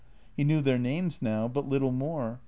He knew their names now, but little more.